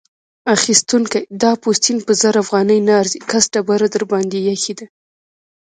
اخيستونکی: دا پوستین په زر افغانۍ نه ارزي؛ کس ډبره درباندې اېښې ده.